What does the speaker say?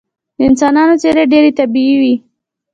د انسانانو څیرې ډیرې طبیعي وې